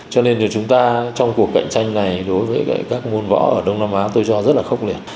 cho nên chúng ta trong cuộc cạnh tranh này đối với các môn võ ở đông nam á tôi cho rất là khốc liệt